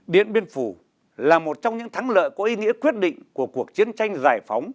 điện biên phủ là một trong những thắng lợi có ý nghĩa quyết định của cuộc chiến tranh giải phóng